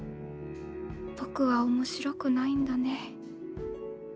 僕は面白くないんだね。